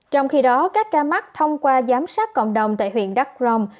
trong khi đó các ca mắc thông qua giám sát cộng đồng tại huyện đắk rồng